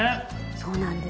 そうなんです。